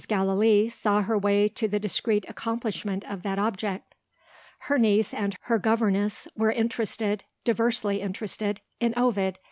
Gallilee saw her way to the discreet accomplishment of that object. Her niece and her governess were interested diversely interested in Ovid.